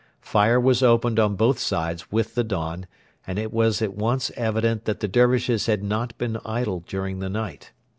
Fire was opened on both sides with the dawn, and it was at once evident that the Dervishes had not been idle during the night.